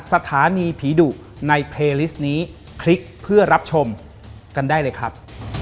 สวัสดีครับขอบคุณครับขอบคุณครับ